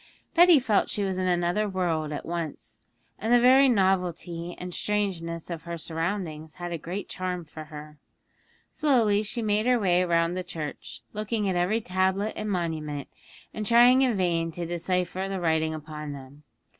Betty felt she was in another world at once, and the very novelty and strangeness of her surroundings had a great charm for her. Slowly she made her way round the church, looking at every tablet and monument, and trying in vain to decipher the writing upon them.